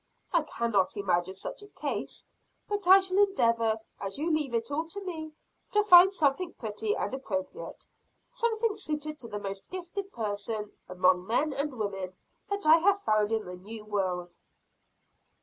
"I cannot imagine such a case. But I shall endeavor, as you leave it all to me, to find something pretty and appropriate; something suited to the most gifted person, among men and women, that I have found in the New World."